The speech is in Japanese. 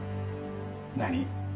何？